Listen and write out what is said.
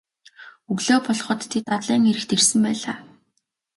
Өглөө болоход тэд далайн эрэгт ирсэн байлаа.